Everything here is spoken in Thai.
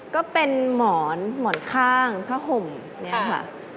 ก็เป็นหมอนหมอนข้างผ้าห่มเนี่ยค่ะ